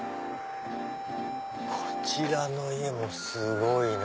こちらの家もすごいな。